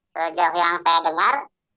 sejak yang saya dengar